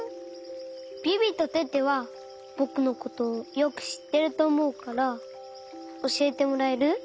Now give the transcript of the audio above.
ビビとテテはぼくのことよくしってるとおもうからおしえてもらえる？